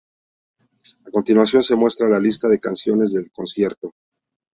A continuación se muestra la lista de canciones del concierto.